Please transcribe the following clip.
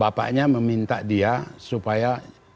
bapaknya meminta dia supaya